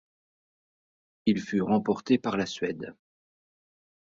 Il fut remporté par la Suède.